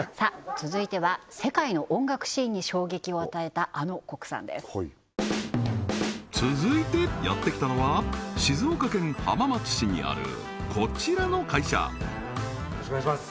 続いては世界の音楽シーンに衝撃を与えたあの国産ですはい続いてやってきたのは静岡県浜松市にあるこちらの会社よろしくお願いします